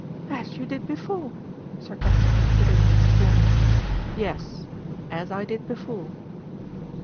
"As you did before," sarcastically put in Miss Corny. "Yes; as I did before."